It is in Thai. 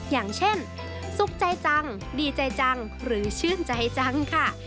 อย่างเช่นสุขใจจังดีใจจังหรือชื่นใจจังค่ะ